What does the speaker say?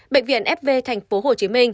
bệnh viện fv tp hcm